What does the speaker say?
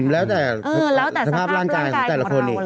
แล้วแต่สภาพร่างกายของแต่ละคนอีกเออแล้วแต่สภาพร่างกายของแต่ละคนอีก